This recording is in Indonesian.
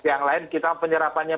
yang lain kita penyerapannya